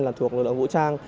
là thuộc đội vũ trang